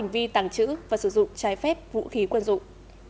vì tàng trữ và sử dụng trái phép vũ khí quân dụng